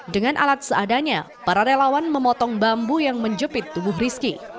dengan alat seadanya para relawan memotong bambu yang menjepit tubuh rizki